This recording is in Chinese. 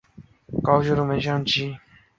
种族跟宗教原因已不再是问题。